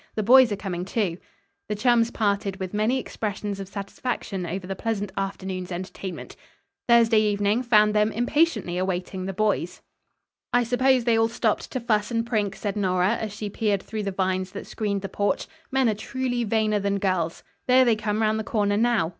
The boys are coming, too." The chums parted with many expressions of satisfaction over the pleasant afternoon's entertainment. Thursday evening found them impatiently awaiting the boys. "I suppose they all stopped to fuss and prink," said Nora, as she peered through the vines that screened the porch. "Men are, truly, vainer than girls. There they come around the corner, now.